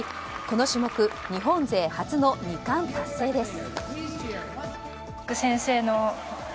この種目日本勢初の２冠達成です。